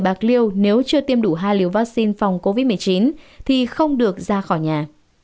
bạc liêu nếu chưa tiêm đủ hai liều vaccine phòng covid một mươi chín thì không được ra khỏi nhà